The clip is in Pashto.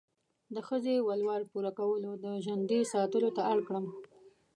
د ښځې ولور پوره کولو، د ژندې ساتلو ته اړ کړم.